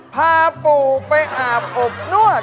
พาปู่ไปอาบอบนวด